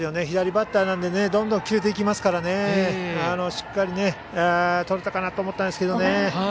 左バッターなのでどんどん切れていきますからしっかりとれたかなと思ったんですけどね。